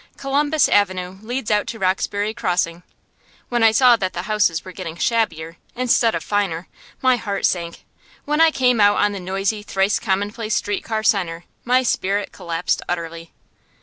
Columbus Avenue leads out to Roxbury Crossing. When I saw that the houses were getting shabbier, instead of finer, my heart sank. When I came out on the noisy, thrice commonplace street car centre, my spirit collapsed utterly.